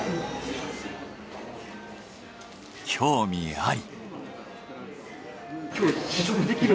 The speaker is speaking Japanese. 興味あり。